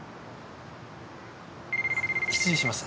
失礼します。